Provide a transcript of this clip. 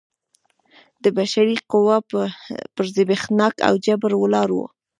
د بشري قوې پر زبېښاک او جبر ولاړ و.